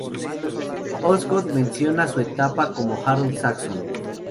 Osgood menciona su etapa como Harold Saxon.